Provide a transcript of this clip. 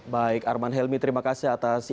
baik arman helmi terima kasih atas